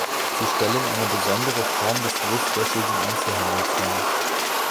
Sie stellen eine besondere Form des großflächigen Einzelhandels dar.